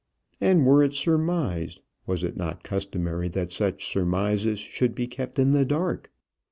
And were it surmised, was it not customary that such surmises should be kept in the dark?